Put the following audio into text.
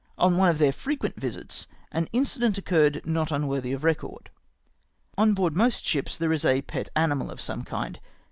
On one of their frequent visits, an incident occurred not unworthy of record. On board most ships there is a pet animal of some kind.